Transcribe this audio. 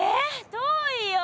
遠いよ。